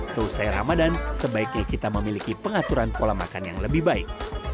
selesai ramadan sebaiknya kita memiliki pengaturan pola makan yang lebih baik